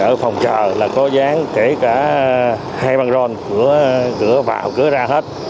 ở phòng trờ là có dáng kể cả hai băng rôn cửa vào cửa ra hết